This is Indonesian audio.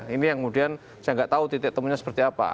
ini yang kemudian saya nggak tahu titik temunya seperti apa